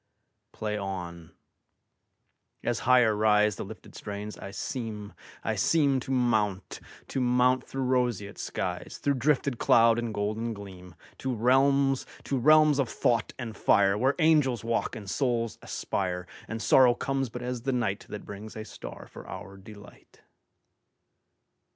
Play on! As higher riseThe lifted strains, I seem, I seemTo mount, to mount through roseate skies, Through drifted cloud and golden gleam, To realms, to realms of thought and fire, Where angels walk and souls aspire, And sorrow comes but as the nightThat brings a star for our delight.